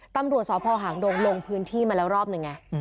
ตำรวจสพหางดงลงพื้นที่มาแล้วรอบหนึ่งไง